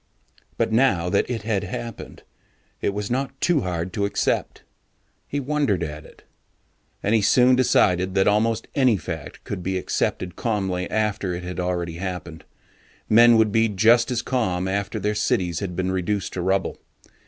But now that it had happened, it was not to hard to accept. He wondered at it. And he soon decided that almost any fact could be accepted calmly after it had already happened. Men would be just as calm after their cities had been reduced to rubble.